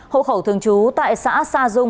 hộ khẩu thường trú tại xã sa dung